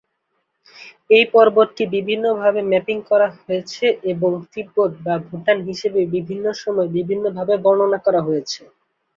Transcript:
এই পর্বতটি বিভিন্নভাবে ম্যাপিং করা হয়েছে এবং তিব্বত বা ভুটান হিসাবে বিভিন্ন সময়ে বিভিন্ন ভাবে বর্ণনা করা হয়েছে।